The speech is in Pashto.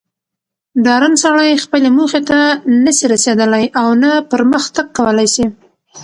ډارن سړئ خپلي موخي ته نه سي رسېدلاي اونه پرمخ تګ کولاي سي